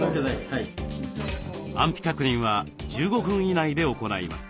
安否確認は１５分以内で行います。